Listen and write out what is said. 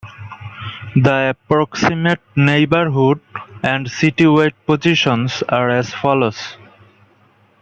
The approximate neighborhood and citywide positions are as follows.